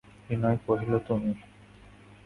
বিনয় কহিল, তুমি।